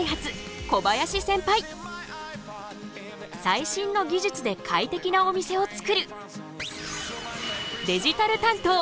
最新の技術で快適なお店を作る！